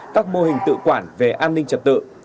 các mô hình tự quản về an ninh trật tự